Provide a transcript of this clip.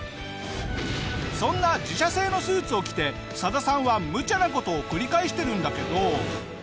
そんな自社製のスーツを着てサダさんはむちゃな事を繰り返してるんだけど。